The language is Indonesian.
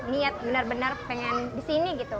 niat benar benar pengen di sini gitu